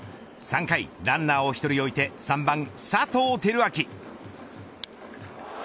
３回、ランナーを１人置いて３番、佐藤輝明。